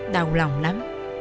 đau lòng lắm